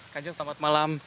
kanjeng selamat malam